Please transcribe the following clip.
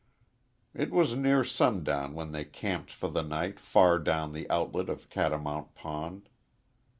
It was near sundown when they camped for the night far down the outlet of Catamount Pond.